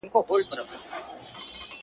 صفت زما مه كوه مړ به مي كړې,